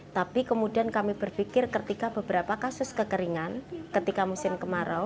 tapi kemudian kami berpikir ketika beberapa kasus kekeringan ketika musim kemarau